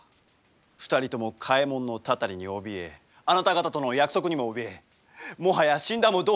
２人とも嘉右衛門のたたりにおびえあなた方との約束にもおびえもはや死んだも同然の状態で。